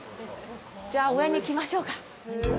じゃあ、上に行きましょうか。